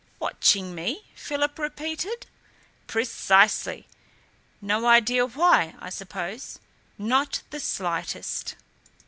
"Watching me?" Philip repeated. "Precisely! No idea why, I suppose?" "Not the slightest."